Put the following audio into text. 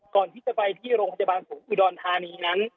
ก่อนที่จะไปที่โรงพยาบาลศูนย์อุดรธานีนั้น